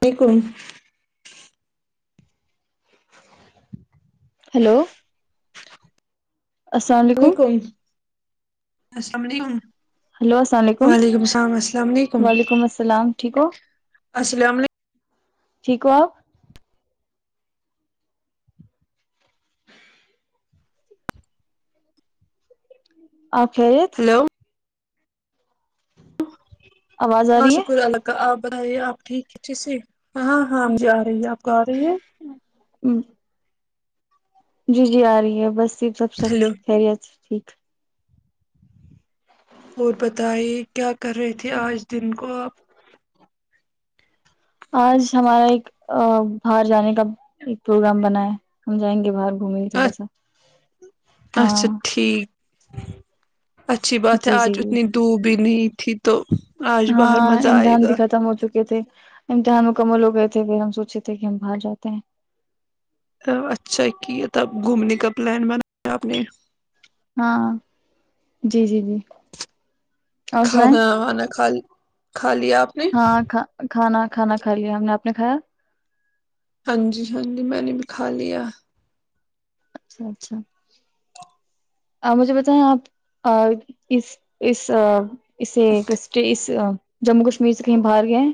ویکن hello السلام علیکم السلام علیکم وعلیکم السلام السلام علیکم وعلیکم السلام ٹھیک ہو السلام علیکم ٹھیک ہو ا خریت ہلو آواز آ ہاں رہی شکر ہے اللہ کا آپ بتائیے آپ ٹھیک کچے سے ہاں ہاں ہاں ہم ج آ رہی ہے آپ گا رہی ہے ہ [inaudible] جی جی آ رہی ہے بس سب سب ہلو خیریتھ اور بتائیے کیا کر رہے تھے آج دن کو آپ آج ہمارا ایک باہر جانے کا ایک پروگرام بنا ہے ہم جائیں گے باہر میں گھمی تھوڑا سا ہاں جی اچھی بات ہے جی جی آج جی اتنی دوب بنی ہاں امتحان بھی گا ختم ہو چکے تھے امتحان مکمل ہو گئے تھے پھر ہم سوچے تھے کہ ہم بھاگ جاتے ہیں اچھا کی تب گھومنے کا پلان بنایا آپ نے ہاں جی جی جی اور سنائیں کھانا آانا کالی ہاں کا کھانا کھانا کھا لیا ہم نے آپ نے کھایا ہاں جی ہاں جی میں نے بکھا لیا اچھا اچھا مجھے بتائیں آپ اس اس اسے ک جموں کشمیر سے کہیں باہر گئے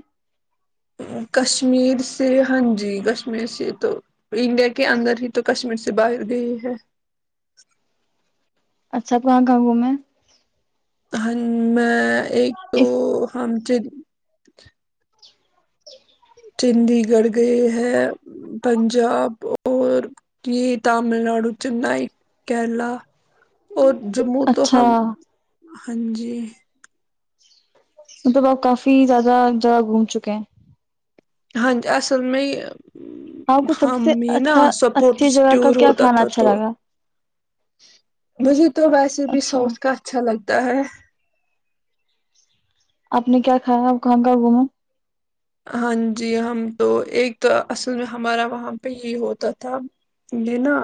کشمیر سے ہاں جی کش کشمیر سے تو انڈیا کے اندر ہی تو کشمیر سے باہر گئی ہے اچھا کہاں کہاں گھوم ہے ہ میں ایک تو اس ہم [inaudible] جی چڈی گڑھ گئے ہے پنجاب اور یہ تامل ناڈو چنائی کیرلا اور جموں تو اچھا ہم ہاں جی مطلب آپ کافی زیادہ جگہ گھوم چکے ہیں ہاں جی اصل میں آپ کو سب ہم سے یہ نا اچھا اچھی سپورٹس جگہ کا ٹور کیا ہوتا کھانا تھا اچھا تو لگا مجھے تو ویسے بھی اچھا ساتھ کا اچھا لگ تا ہے آپ نے کیا کھایا کہاں کہاں گوما ہاں جی ہم تو ایک تو اصل میں ہمارا وہاں پہ یہ ہوتا تھا یہ نا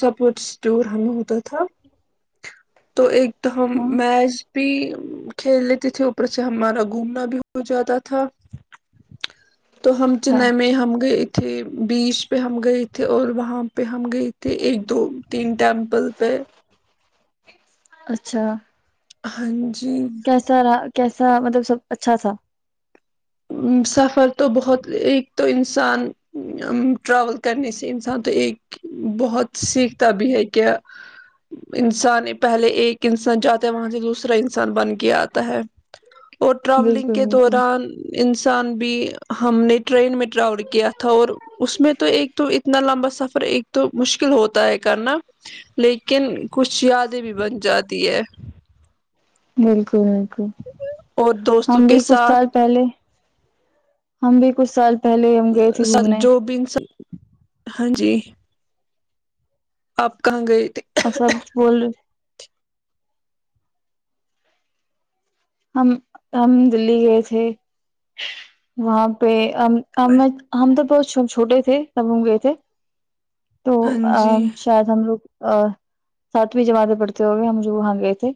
سپورٹس ٹور ہمیں ہوتا تھا تو ایک ت ہاں ہمم معیچ پ کھیل لیتے تھے اوپر سے ہمارا گھومنا بھی ہو جاتا تھا ا تو تو ہم اچھا چنئی میں ہم گ تھے بیچ پہ ہم گئے تھے اور وہاں پہ ہم گئے تھے ایک دو تین ٹیمپل پہ اچھا ہاں جی کیسا رہا کیسا مطلب سب اچھا تھا ا سفر تو بہت ای تو انسان ٹراول کرنے سے انسان تو ایک بہت سیکھتا بھی ہے کہ انسان پہلے ایک انسان جات وہاں سے دوسرا انسان بن کے آتا ہے اور ٹریولنگ بالکل کے بالکل دوران انسان بھی ہم نے ٹرین میں راور کیا تھا اور اس میں تو ایک تو اتنا لمبا سفر ایک تو مشکل ہوتا ہے کرنا لیکن کچھ یادیں بھی بن جاتی ہے بالکل اور دوستوں ہم بھی کے کچھ سال ساتھ پہلے ہم بھی کچ سال پہلے ہم گئے تھے س گھومنے جو بن س [inaudible] ہاں جی آپ کہاں گئے تھے آ سب کچھ بول رہے ہم ہم دلی گئے تھے وہاں پہ تھے ہم تو بہت س ہم چھوٹے تھے سب ر گئے تھے تو ہاں جی شاید ہم لوگ ا ساتویں جماعتیں پڑتے ہو گئے ہم جو وہاں گئے تھے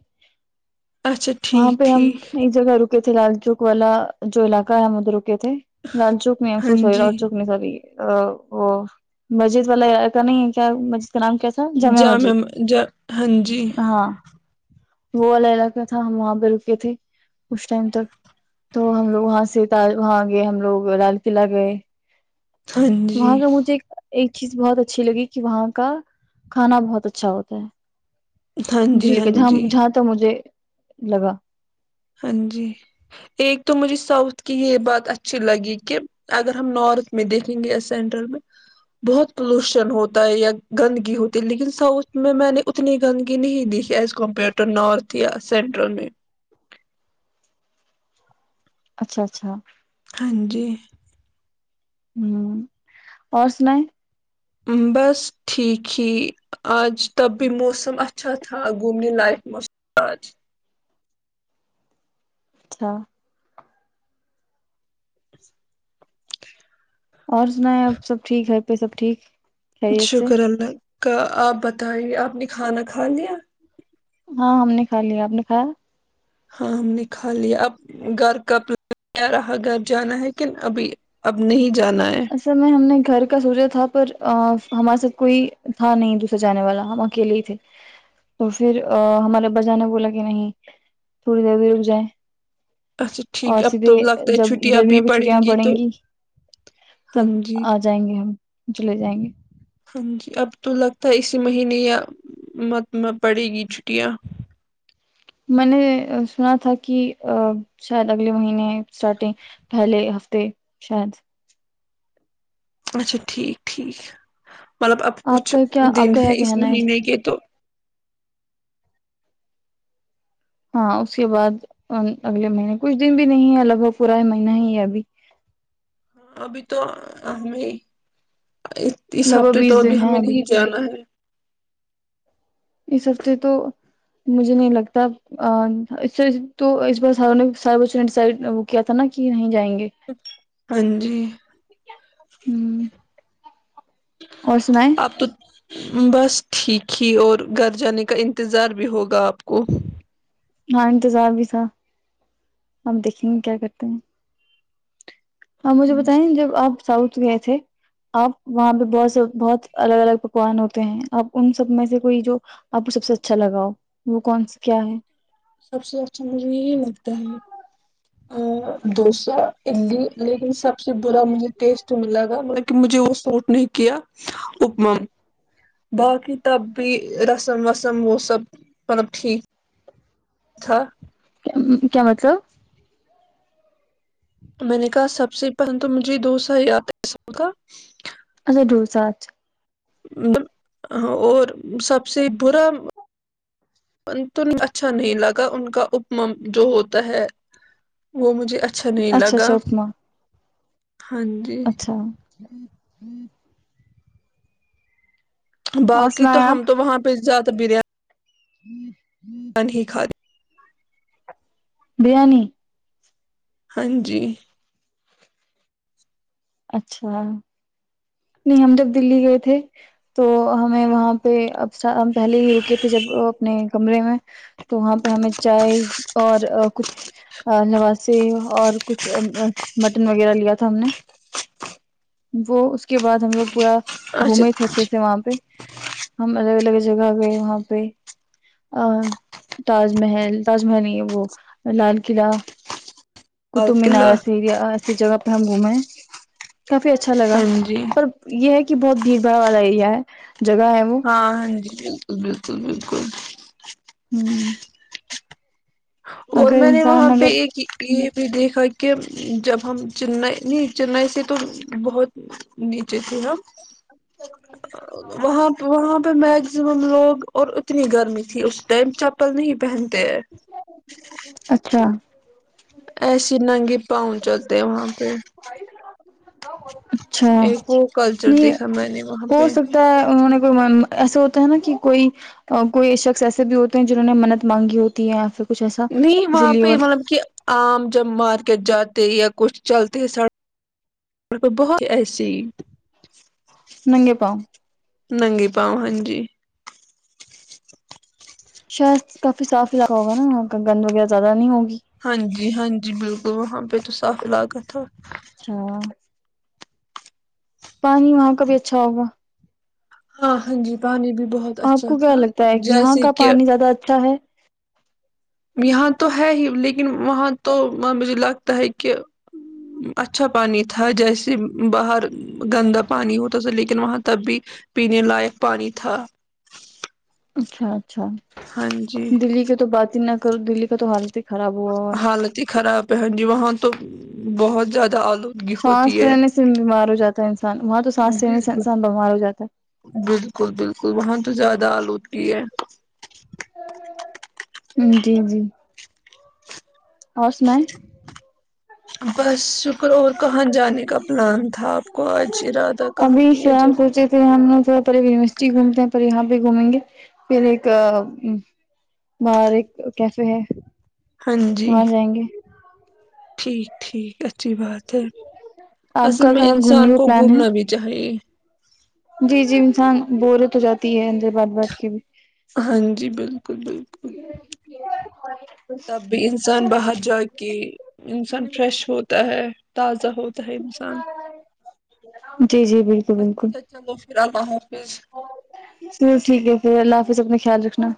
اچھا ٹھیک ٹھیک یہ جگ ر تھے لال چوک والا جو علاقہ ہے مدر تھے لال چوک نے ہاں سو سحی جی لال چوک نہیں ساری یہ ا وہ مسجد والا کا نہیں کیا مسجد کا نام کیا تھا ج جامع مم مسجد جا ہاں جی ہاں وہ ال عق تھا ہم وہاں بالکل تھے اس ٹائم تک تو ہم لوگ وہاں سے وہاں گئے ہم لوگ لال قلعہ گئے ہاں وہاں جی کا مجھے ایک چیز بہت اچھی لگی کہ وہاں کا کھانا بہت اچھا ہوتا ہے ہاں جی دلی ہاں کا جہاں جی جہاں تھا مجھے لگا ہاں جی ایک تو مجھے ساؤتھ کی یہ بات اچھی لگی کہ اگر ہم نارتھ میں دیکھیں گے یا سینٹرل میں بہت پلوشن ہوتا ہے یا گندگی ہوتی ہے لیکن ساؤتھ میں میں نے اتنی گندگی نہیں دیکھی ایز کمپیئر ٹو نارتھ یا سینٹرل میں اچھا اچھا ہاں جی ہوں اور سنائ بس ٹھیک ہی آج تب بھی موسم اچھا تھا گھومنے لائق موسم آج اچھا اور سنا ہے آپ سب ٹھیک گھر پہ سب ٹھیک خیریت سے شکر اللہ کا آپ بتائیے آپ نے کھانا کھا لیا ہاں ہم نے کھا لیا آپ نے کھایا ہاں ہم نے کھا لیا اب گھر کب ل رہا گھر جانا ہے کن ابھی اب نہیں جانا ہے اصل میں ہم نے گھر کا سوچا تھا پر ہمارے ساتھ کوئی تھا نہیں دوسرا جانے والا ہم اکیلے ہی تھے تو پھر ہمارے ابا جان نے بولا کہ نہیں تھوڑی دیر بھی رک جائے اچھا ٹھیک اب تو لگتا ہے جب چھٹی ابھی گرمیوں کی پڑیں چھٹیاں گی تو ہاں تب جی آ جائیں گے ہم جولے جائیں گے تھا اسی مہینے یا مت میں پڑے گی چھٹیاں میں نے سنا تھا کہ شاید اگلے مہینے اسٹارٹنگ پہلے ہفتے شاید اچھا ٹھیک ٹھیک مطلب اب آپ کچھ کا کیا دن آپ کا ہے کیا اس کہنا مہینے کے تو ہاں اس کے بعد اگلے مہینے کچھ دن بھی نہیں ہے لگ بھگ پورا مہینہ ہی ہے ابھی ابھی تو ہمیں اس لگ بھگ ہفتے تو بیس ابھی دن ہے ہمیں نہیں جانا ہے اس ہفتے تو مجھے نہیں لگتا پھر تو اس بار وہ کیا تھا نا کہ نہیں جائیں گے ہاں جی اور سنائیں اب تو بس ٹھیک ہی اور گھر جانے کا انتظار بھی ہوگا آپ کو ہاں انتظار بھی تھا اب دیکھیں گے کیا کرتے ہیں آپ ہاں مجھے بتائیں جی، جب آپ ساؤتھ گئے تھے آپ وہاں پہ بہت س بہت الگ الگ پکوان ہوتے ہیں آپ ان سب میں سے کوئی جو آپ کو سب سے اچھا لگاؤ وہ کون کیا ہے سب سے اچھا مجھے یہی لگتا ہے آ دوسا اڈلی لیکن سب سے برا مجھے ٹیسٹ میں لگا مطلب کہ مجھے وہ سوٹ نہیں کیا اپما باقی تب بھی رسم وسم وہ سب مطلب ٹھیک تھا کیا مطلب میں نے کہا سب سے پسند تو مجھے دو سا یاد کا اچھا ڈوسا آج اور سب سے برا تو اچھا نہیں لگا ان کا اپما جو ہوتا ہے وہ مجھے اچھا اچھا نہیں اچھا لگا اپما ہاں جی [inaudible] باقی تو سنائیں ہم آپ تو وہاں پہ زیادہ [unintelligible] [inaudible] [unintelligible] بریانی ہاں جی اچھا نہیں ہم جب دلی گئے تھے تو ہمیں وہاں پہ اب ہم پہلے ہی رکے تھے جب اپنے کمرے میں تو وہاں پہ ہمیں چائے اور کچھ لواسے اور کچھ مٹن وغیرہ لیا تھا ہم نے وہ اس کے بعد ہم لوگ پورا گھومے تھے اچھے سے اچھا وہاں پہ ہم الگ الگ جگہ گئے وہاں پہ تاج محل تاج محل نہیں ہے وہ لال قلعہ قطب مینار اللہ ایسی جگہ ہم گھوم کافی اچھا لگا ہاں جی پر یہ ہے کہ کہ بہت بھیڑ بھڑ والا ایریا ہے جگہ ہے وہ ہاں ہاں جی بالکل بالکل بالکل [inaudible] [inaudible] اور اگر میں نے وہاں انسان پہ اگر ایک یہ بھی دیکھا کہ جب ہم چنئی نہیں چنئی سے تو بہت نیچے تھے ہم وہاں وہاںہ پہ میگزیمم لوگ اور اتنی گرمی تھی اس ٹائم چپل نہیں پہن [inaudible] [inaudible] ایسیے ننگی پاؤنچل د وہاں پہ [inaudible] ایک وہ کلچر نہیں دیکھا میں نے وہاں پہ ایسے ہوتا ہیں نا کہ کوئی کوئی شخص ایسے بھی ہوتے ہیں جنہوں نے منت مانگی ہوتی ہے یا پھر کچھ ایسا نہیں اسی وہاں لیے پہ وہ مطلب کہ آم جمار کہ جاتے یا کچھ چلتے س بہت ایسی ن گ پؤ ننگی پاؤ ہاں جی شہر کافی صاف علاقہ ہوگا نا وہاں کا گند وغیرہ زیادہ نہیں ہوگا ہاں جی ہاں جی بالکل وہاں پہ تو صاف علاقا تھا اچھا پانی وہاں کا بھی اچھا ہوگا ہاں ہاں جی پانی بھی بہت آپ اچھا کو کیا تھا لگتا ہے یہاں جیسے کا کہ پانی زیادہ اچھا ہے ھم یہاں تو ہے ہی لیکن وہاں تو مجھے لگتا ہے کہچ اچھا پانی تھا جیسے باہر گندا پانی ہو تو چ لے وہاں تب بھی پینے لائق پانی تھا اچھا اچھا ہاں جی دلی کے تو بات نہ کر دلی کا تو حالت ہی خراب ہوا ہوا ہے۔ حالت ہی خراب ہے ہ جی وہاں تو بہت زیادہ آلودگی ہوتی سانس ہے رہنے سے بیمار ہو جاتا ہے انسان وہاں تو سانس رہنے سے بالکل انسان بیمار ہو جاتا ہے بالکل بالکل وہاں تو زیادہ آلودگی ہے جی جی اور س میں بس اور کہاں جانے کا پلان تھا آپ کو آجرادہ کہاں کیا جائے پ یونیورسٹی گھومتے ہیں پ یہاں بھیہ گھومیں گے پھر ایک باہر ایک کیفے ہے ہاں جی وہاں جائیں گے ٹھیک ٹھیک اچھی بات ہے آپ اصل کا میں کہاں گھومنے انسان کا کو پلان ہے گھومنا بھی چاہیے جی جی انسان بور تو ہو جاتی ہے ان بد بٹک بھی ہاں جی بالکل بالکل کو تب بھی انسان باہر جا کے انسان فریش ہو ہے تاز ہو ہے نان جی اچھا اچھا گ ہاں تو ٹھیک ہے پھر اللہ حاظ بس اپنا خیال رکھنا